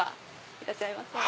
いらっしゃいませ。